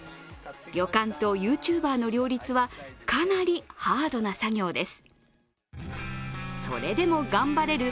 旅館とＹｏｕＴｕｂｅｒの両立はかなりハードな作業です。